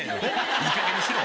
いいかげんにしろ。